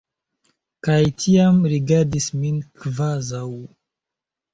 Kaj tiam rigardis min kvazaŭ...